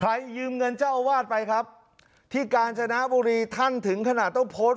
ยืมเงินเจ้าอาวาสไปครับที่กาญจนบุรีท่านถึงขนาดต้องโพสต์